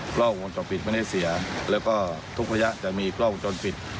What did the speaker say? กล้องวงจรปิดไม่ได้เสียแล้วก็ทุกระยะจะมีกล้องวงจรปิด